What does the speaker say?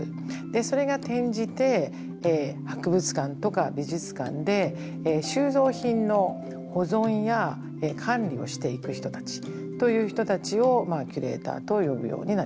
それが転じて博物館とか美術館で収蔵品の保存や管理をしていく人たちという人たちをキュレーターと呼ぶようになります。